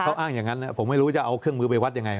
เขาอ้างอย่างนั้นผมไม่รู้จะเอาเครื่องมือไปวัดยังไง